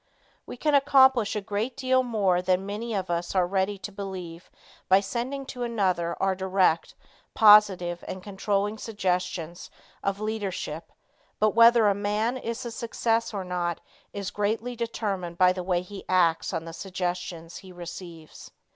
We can accomplish a great deal more than many of us are ready to believe by sending to another our direct, positive and controlling suggestions of leadership, but whether a man is a success or not is greatly determined by the way he acts on the suggestions he receives.